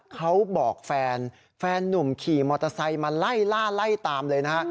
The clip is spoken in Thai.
เขาบอกแฟนแฟนนุ่มขี่มอเตอร์ไซค์มาไล่ล่าไล่ตามเลยนะฮะ